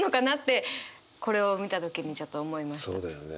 そうだよね。